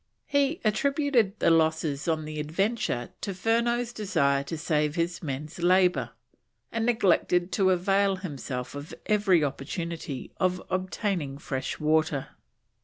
He attributed the losses on the Adventure to Furneaux's desire to save his men labour, and neglecting to avail himself of every opportunity of obtaining fresh water.